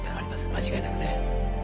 間違いなくね。